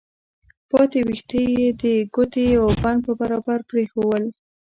پاتې ويښته يې د ګوتې د يوه بند په برابر پرېښوول.